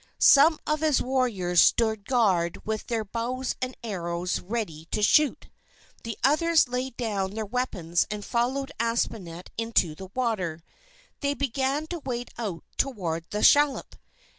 Some of his warriors stood guard with their bows and arrows ready to shoot. The others laid down their weapons and followed Aspinet into the water. They began to wade out toward the shallop.